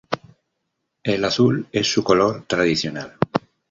El azul es su color tradicional.